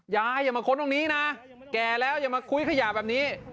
อย่ามาค้นตรงนี้นะแก่แล้วอย่ามาคุ้ยขยะแบบนี้